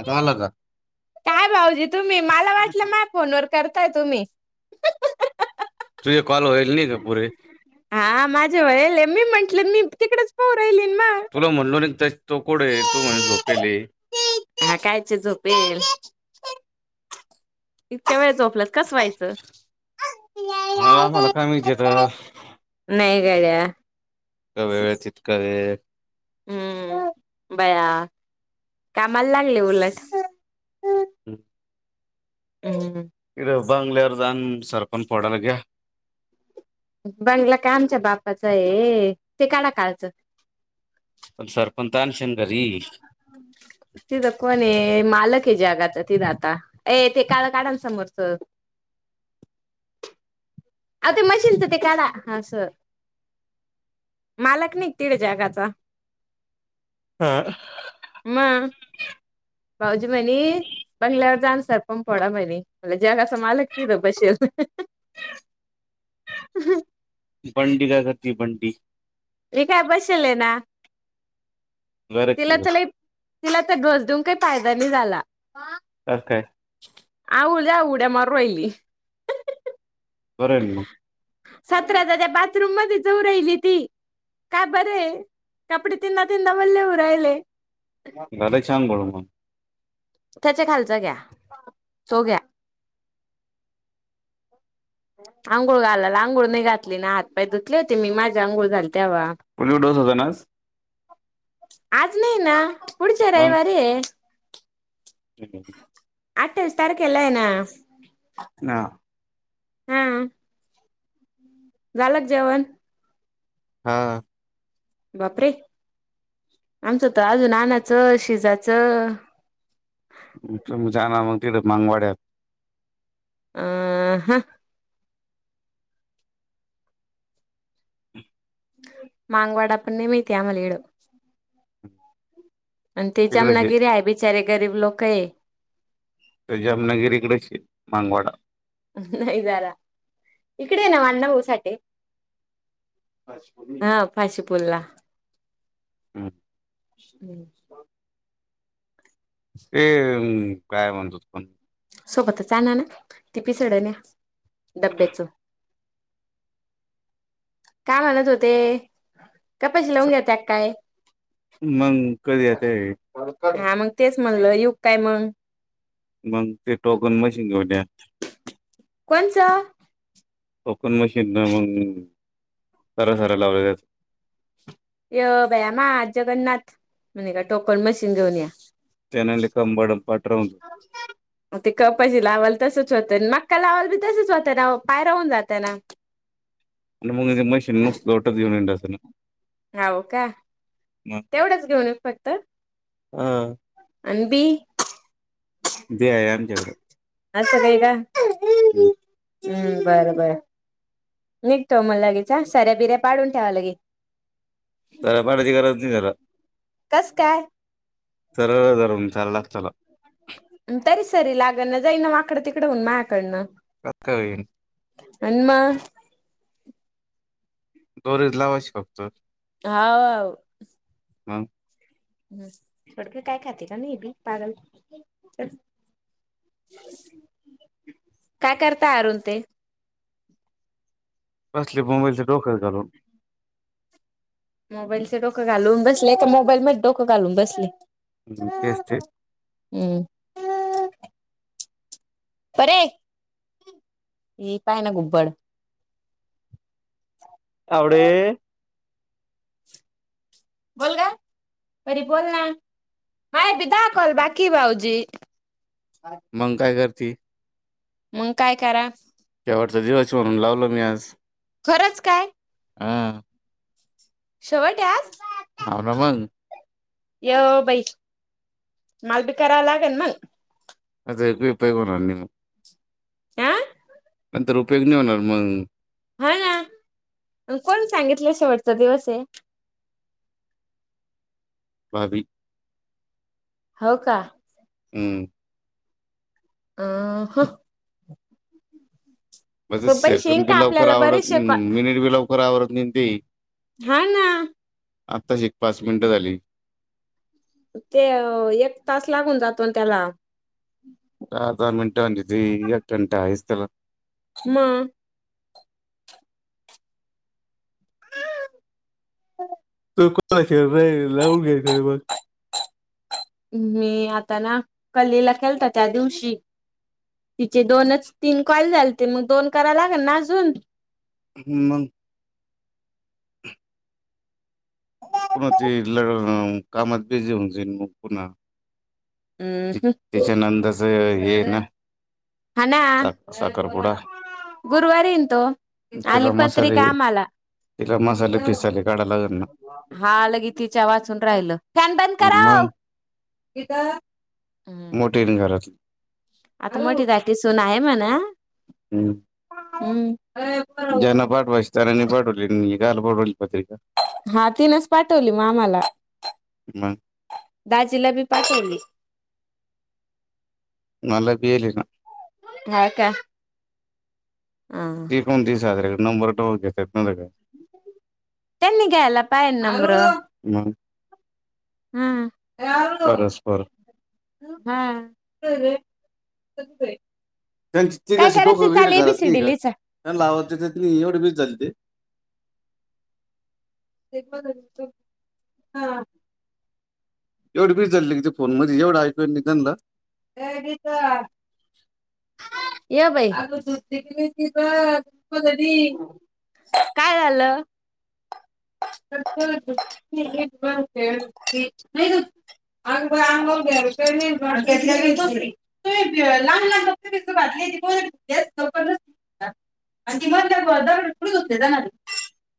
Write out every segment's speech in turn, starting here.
आताला का काय भाऊजी तुम्ही मला वाटलं मा फोनवर करताय तुम्ही तुझे कॉल होईल नाही का पुरे हा माझे वयल मी म्हंटलं मी तिकडेच पाऊ राहिली म तुला म्हणून तो कोड तू म्हणे झोपेले हा कायचे झोपेल इतक्या वेळचो आपला कस व्हायच मला आम्हाला काय माहिती आता काळ्या का व्य तित का हे हम्म बया कामाला लागले उलट हम हम् बलेवर दान सरपंन पडाग बंगला का आमच्या बापाच आहे ते काला काळच प सार त तर कने मालक हे जगात ते जाता अ ते का काढाल समोरच आ ते मशीनच ते काढा हा स मालक न तिड जगाचा हा मग भाऊजी म्हनि बंगल्यावर जा सरपण पडा म्ह मला जग [unintelligible] अस मालक त त बसेल बंडी का घती बंडी [inaudible] हे काय बसेल आहे ना घर तिला तिथं चला तिला तर घस [unintelligible] दे [unintelligible] काही फादा नाही झाला ओ [unintelligible] काय उद्या [unintelligible] उड्या मारूराहिली बल [unintelligible] सतरा हजार च्या बाथरूम मध्ये जाऊ राहिली ती काय बरे कपडे तिनदा तंदा [unintelligible] मणलेह राहिले घालचछान [unintelligible] बोल म त्याच्या खालचा घ्या तो घ्या अंघोळ घालाला अंघोळ नाही घातली ना हात पाय धुतले होते मी माझ्या अंघोळ झाली तेव्हा पोलिओ डोस होता ना आस आज नाही ना पुढच्या मग रविवारे ये आठावीस तारखेलायना ह [unintelligible] हम झालाक जेवण हा बापरे आमचं तर अजून आणनाचं शिजाचं तुम्ही जाणार मग तिकड मागवाड्यात आह ह [unintelligible] मागवडापण मी त्यामलीड [unintelligible] आणि ते जामनागिरी आहे बिचारे गरीब लोक आहे मांंगवडा नाही जरा इकडे आहे ना आणा भाऊ साठे हा फाशीपुरला [inaudible] [unintelligible] ते काय म्हणतात पण सोबतचां ना ना ती पिसडन या डब्याच काय म्हणत होते कपाशी लावून घ्या त्या काय मंग कधी येताय हा मग तेच म्हणलं यु काय मंग मग ते टोकन मशीन घेऊन या कोणचा कोकण मशीन न मग सार सारा लावला त्याच य बाया म जगन्नाथ म्हणे का टोकण मशीन घेऊन त्याना कंबाड पाट राहून जातो. या ते कपाजी लावाल तसच होतं ना हका लावाला बी तसेच होत ना पाय राहून जातं ना आणि मग ते मशीन नुसत लोटच घेऊन येत असं ना हाव का मग तेवढंच घेऊन फक्त हा अनबी [unintelligible] [unintelligible] हम हम्म बरं बर निघतो मग लगीच सऱ्या बिऱ्या पाडून ठेवा लगे तर पाण्याची गरज नाही तेला. कस काय सरळ जाऊ तरी सरी लागण न जाई ना व कड तिकड होन मा्याकडनं काय होईल आणि म दररोज लावायचं फक्त. हाव हाव हम क काय खाते का नाही बी पारल काय करताय अरुण ते बसली मोबाईलचे डोक्यात घालून मोबाईलचे डोकं घालून बसले मोबाईल मधीडोकं घालून बसले. हम तेच हम्म ते परे इ पाय ना घुबड. आवडे.. बोल ग परी बोल ना. महे बी दहा कॉल बाकी भाऊजी मंग काय करती मग काय करा शेवटचा दिवस म्हणून लावलो मी आज. खरंच काय. हा शेवट हे आज हाव ना मंग य बाई मालबीकरा लागेन ना [inaudible] आ नंतर उपयोग नाही होणार मंग हा ना कोण सांगितलं शेवटचा दिवस आहे. भाबी हो का हम्. अ ह. म्हणझे पण पैसे येईन सेकंड का बि लवकर आपल्याला आवडत बरेचसे कॉ मिनिट बि लवकर आवडत नाही ते हा ना. मिट झाली. ते एक तास लागून जातो नात्याला दहा दहा मिनिटं म्हणतात ते एक घंटा आहे त्याला म कुत्ता आहे शहर नाही लव घे बाई वर मी आता ना कलीला केलता त्या दिवशी. तिचे दोनच तीन कॉल झालेते मग दोन करायला ल न अजून ह मग कोणाती लढ कामात बिझी होऊची मग पुन्हा. त हम्म तिच्यानंदाच ये ना. सा साखरपुडा गुरुवार येईन तो आली त्याला पत्रिक मसाले आम्हाला तिला मसाले पिसाले काढायला लागेल ना. हा लगी तिच्या वाचून राहिलं फॅन बंद कराव. कित मोठी ना घरात. आता मोठी घाटी सुना हाय ना म्हणा. हम्म. हम्म ज्यांना पाठवायच त्यांना नाही पाठवले काला पाठवली पत्रिका हा तीनच पाठवली मा आम्हाला मग दाजिलाबी पाठवली. मला बल ना. हा का हा त कोण दिस्रे नंबर टेत. ह नि गा. आ. [unintelligible] हा. त्यां ठीक काय टोक करायचं कड चाल घरात नाही एबीसीडी लिहिचा त्यां लावत. एवढे बीज झाली ते ते हा. एवढ बीड चाली तिथ फोन मध्ये एवढं ऐकू निघला. ये बाई आग जुती कली ठवा. प कध काय झालं एक नाही. अंंग अंंग घेतलेली त तुम्ही लहान ातली अि प त्या दर पुडी होते जाणार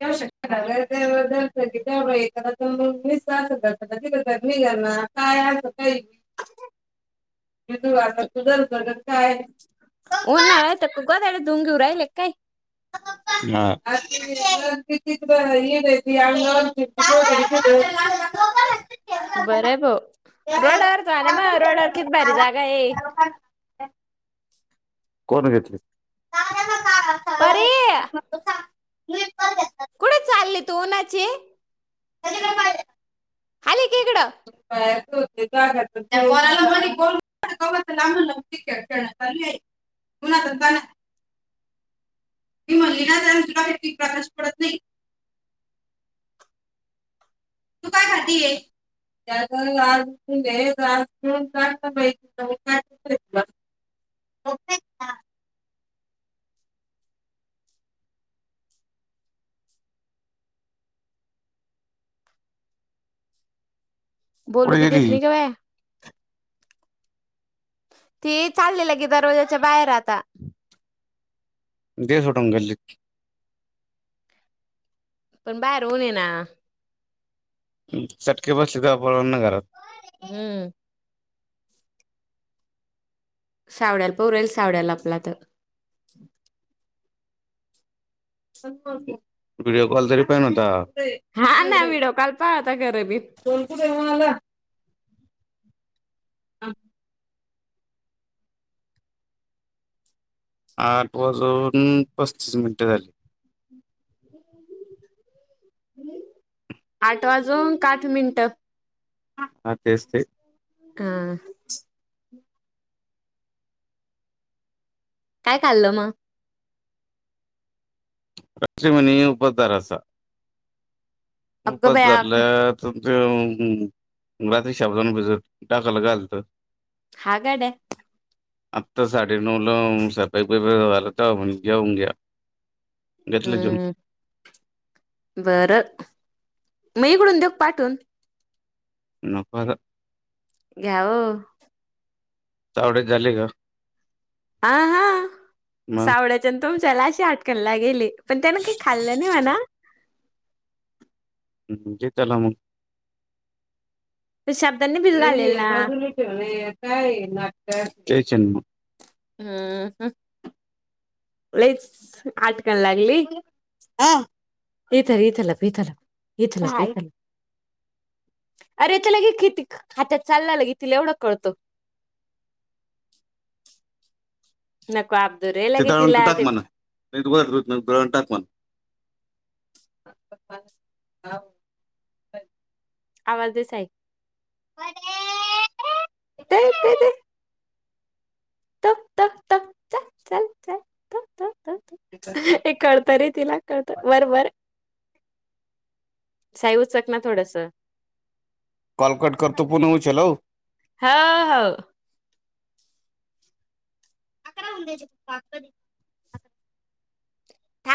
शक्य झा. क त्या एखादा अस मघणार काय अस का? [unintelligible] तू वाट तुझर कर काय? दोन घेव राहिले काय? [unintelligible] काय? बर आहे भा रोडावर त आला मग रोडावर किती भारी जागा आहे. हा. कोण घेतली? पर [unintelligible] तो नाचे- [inaudible] हले. काय? [inaudible] चालू आहे उनातं न तानात मी म्हणली ना तुला प्रकाश पडत नाही. तू काय करतीए? त्या गळ [unintelligible] अपेक्षा. बोलू पुढे बी देत गेली नाही ग बाय. ते चाललेलं गे दरवाजाच्या बाहेर आता. दे सोडून गल्लीत. पण बाहेर ऊन ये ना. चटके बसले का पळेल ना घरात. हम्म सावड्याला परल सावड्याला आपला तर व्हिडिओ कॉल तरी पण न होता हा. हा ना [unintelligible] व्हिडिओ कॉल पाहता खरं मी बोल कुठे म्हणाला? ह. आठ वाजून- पस्तीस मिनिटं झाली. [inaudible] आठ वाजून पाच मिनिट. हां तेच ते. हा. काय खाल्लं मग? [unintelligible] उपास धरायचा. अगं उपास बया धरला तर - रात्री शाबुदाणा भिजत टाकायला काय झाल्त? हा गड्या. आत्ता साडे नऊला [unintelligible] तेव्हा म्हणे घेऊन घ्या. घेतलं जेवून अं. बरं. मग इकडून देऊ का पाठवून? [unintelligible] घ्याव. [unintelligible] झाले ग. हा हा सावड्याच्यान तुमच्याला [unintelligible] [unintelligible] पण त्यान काही खाल्लं नाही म्हणा. म्हणजे चला मग. शब्दांनी [unintelligible] भीज घालेल ना तेच ए ना मग. अ लईच -आटकण लागली. आं. [unintelligible] [unintelligible] चालला लगे तिला एवढं कळत. [inaudible] रे लगे तिला ते [unintelligible] [inaudible] आवाज दे साई [inaudible] [unintelligible] हे कळत रे तिला कळत बरबर साई उचक ना थोडस कॉल कट करतो पुन्हा उचल हो हा हा [inaudible] थांब